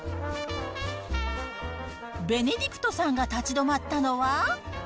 ベネディクトさんが立ち止まったのは。